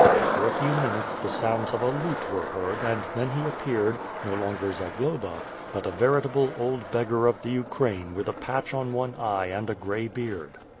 After a few minutes the sounds of a lute were heard and then he appeared — no longer Za globa, but a veritable old beggar of the Ukraine with a patch on one eye and a grey beard.